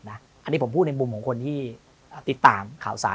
อันนี้ผมพูดในมุมของคนที่ติดตามข่าวสาร